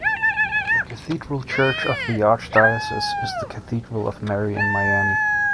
The cathedral church of the archdiocese is the Cathedral of Mary in Miami.